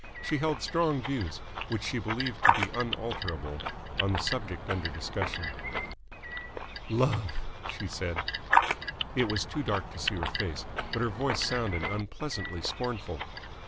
She held strong views, which she believed to be unalterable, on the subject under discussion. "Love!" she said. It was too dark to see her face, but her voice sounded unpleasantly scornful.